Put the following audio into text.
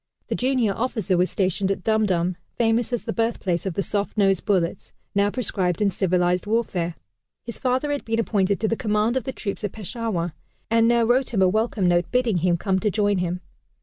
The junior officer was stationed at Dum Dum, famous as the birthplace of the soft nosed bullets, now proscribed in civilized warfare. His father had been appointed to the command of the troops at Peshawar, and now wrote him a welcome note bidding him come to join him.